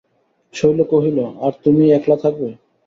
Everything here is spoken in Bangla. শৈল কহিল, আর, তুমিই একলা থাকবে?